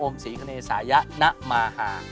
นี่เด่นมาก